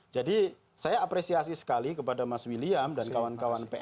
jadi saya apresiasi sekali kepada mas william dan kawan kawan psi